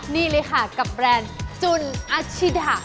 นี่เลยค่ะกับแบรนด์จุนอาชิดะ